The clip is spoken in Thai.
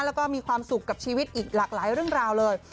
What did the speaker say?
แล้วก็มีความสุขกับชีวิตอีกหลากหลายเรื่องราวเลย